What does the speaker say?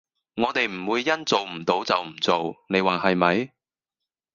我地唔會因做唔到就唔做，你話係咪？